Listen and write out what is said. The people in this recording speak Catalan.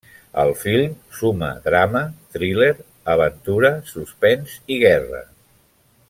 El film suma drama, thriller, aventura, suspens i guerra.